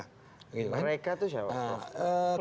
mereka tuh siapa